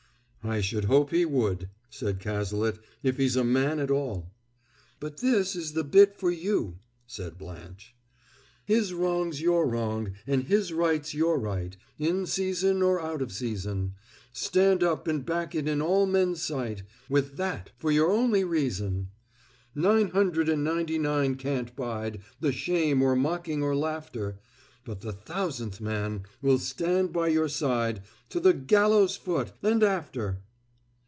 '" "I should hope he would," said Cazalet, "if he's a man at all." "But this is the bit for you," said Blanche: "'His wrong's your wrong, and his right's your right, In season or out of season. Stand up and back it in all men's sight With that for your only reason! Nine hundred and ninety nine can't bide The shame or mocking or laughter, But the Thousandth Man will stand by your side To the gallows foot and after!'"